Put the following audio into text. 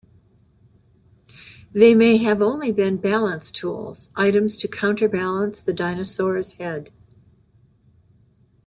They may have only been balance tools, items to counterbalance the dinosaur's head.